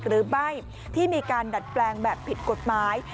หรือไม่ที่มีการดัดแปลงแบบผิดกฎหมาย